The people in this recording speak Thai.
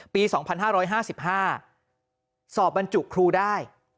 ปี๒๕๕๕สอบบรรจุครูได้